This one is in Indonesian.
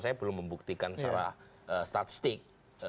saya belum membuktikan secara statistik